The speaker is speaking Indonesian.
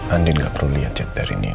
andin gak perlu lihat chat dari nino